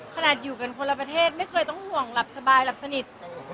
ขนาดอยู่กันคนละประเทศไม่เคยต้องห่วงหลับสบายหลับสนิท